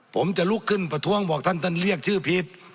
ผมจะลุกขึ้นประท้วงบอกท่านท่านเรียกชื่อผิด